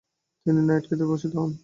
তিনি নাইট খেতাবে ভূষিত হন।